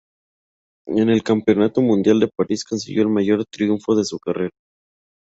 En el Campeonato Mundial de París consiguió el mayor triunfo de su carrera.